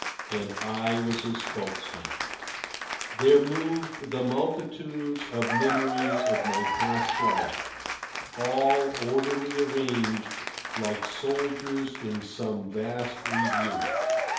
And I was his spokesman. There moved the multitudes of memories of my past life, all orderly arranged like soldiers in some vast review.